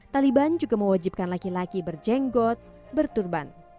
zaineng got berturban